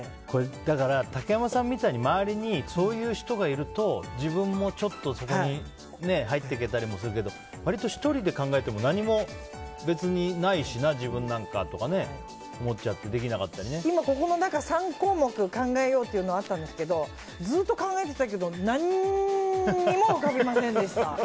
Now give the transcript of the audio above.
だから、竹山さんみたいに周りにそういう人がいると自分もちょっとそこに入っていけたりもするけど割と１人で考えても何もないし、自分なんかとか今、この３項目を考えようというのがあったんですけどずっと考えてたけど何も浮かびませんでした。